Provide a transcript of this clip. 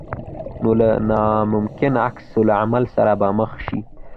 نو له ناممکن عکس العمل سره به مخ شې.